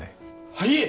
はい